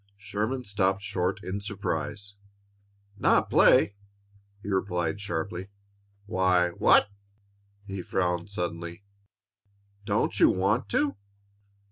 Sherman stopped short in surprise. "Not play?" he repeated sharply. "Why, what " He frowned suddenly. "Don't you want to?"